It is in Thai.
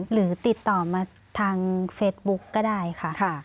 หรือติดต่อมาทางเฟซบุ๊กก็ได้ค่ะ